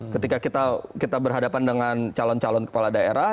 ketika kita berhadapan dengan calon calon kepala daerah